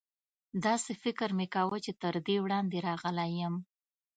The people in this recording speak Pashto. داسې فکر مې کاوه چې تر دې وړاندې راغلی یم.